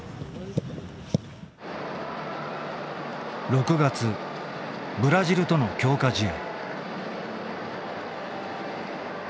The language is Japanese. ６月ブラジルとの強化試合。